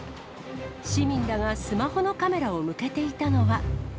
市民らがスマホのカメラを向けていたのは。